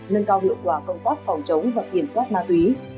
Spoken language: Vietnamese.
nâng cao hiệu quả công tác phòng chống và kiểm soát ma túy